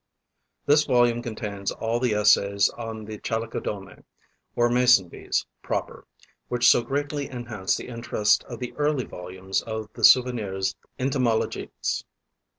This volume contains all the essays on the Chalicodomae, or Mason bees proper, which so greatly enhance the interest of the early volumes of the "Souvenirs entomologiques."